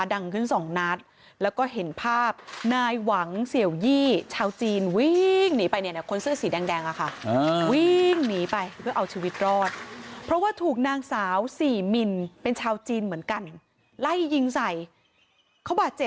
ดังนี้คือภาพจากกล้องวงจรปีดบ้านหลังนึงค่ะ